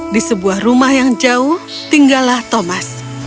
di sebuah rumah yang jauh tinggallah thomas